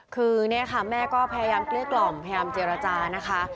คือนี่ค่ะแม่พยายามเกลียดกล่อมเพราะแยรฟย์เจรจานะคะ